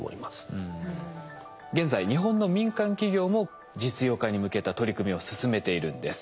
現在日本の民間企業も実用化に向けた取り組みを進めているんです。